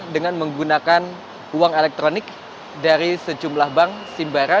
dengan menggunakan uang elektronik dari sejumlah bank simbara